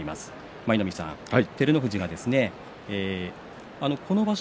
舞の海さん、照ノ富士がこの場所